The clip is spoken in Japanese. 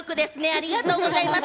ありがとうございます。